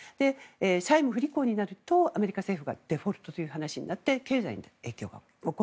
債務不履行になるとアメリカ政府がデフォルトという話になって経済に影響が起こる。